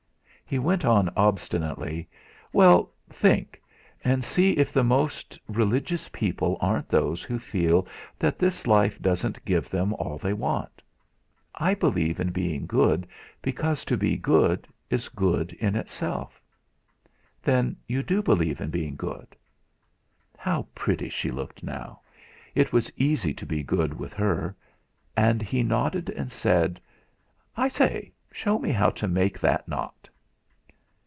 He went on obstinately: "Well, think, and see if the most religious people aren't those who feel that this life doesn't give them all they want. I believe in being good because to be good is good in itself." "Then you do believe in being good?" How pretty she looked now it was easy to be good with her! And he nodded and said: "I say, show me how to make that knot!"